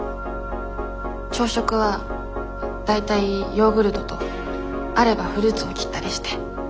朝食は大体ヨーグルトとあればフルーツを切ったりして。